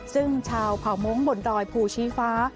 ซึ่งชาวเผ่ามงค์บนดอยภูชีฟ้า